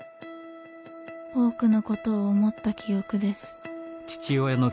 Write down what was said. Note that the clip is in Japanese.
多くの事を思った記憶です」。